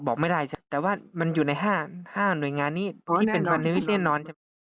บอกไม่ได้แต่ว่ามันอยู่ใน๕หน่วยงานนี้ที่เป็นพนันที่แน่นอน